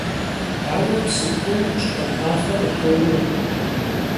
Aue psı kuum şxhuant'afe khıtoue.